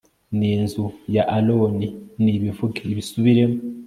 n'inzu ya aroni nibivuge ibisubiremo